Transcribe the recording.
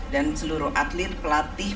dan seluruh atlet pelatih